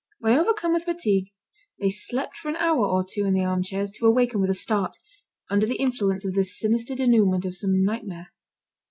When overcome with fatigue, they slept for an hour or two in the armchairs, to awaken with a start, under the influence of the sinister denouement of some nightmare.